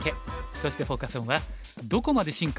そしてフォーカス・オンは「どこまで進化？